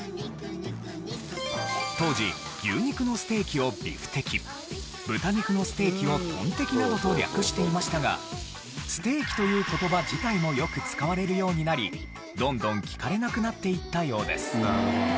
当時牛肉のステーキをビフテキ豚肉のステーキをトンテキなどと略していましたが「ステーキ」という言葉自体もよく使われるようになりどんどん聞かれなくなっていったようです。